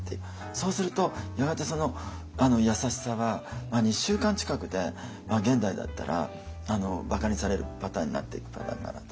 そうするとやがてその優しさは２週間近くで現代だったらばかにされるパターンになっていくパターンだなと。